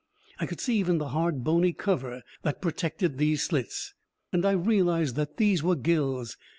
I could see even the hard, bony cover that protected these slits, and I realized that these were gills!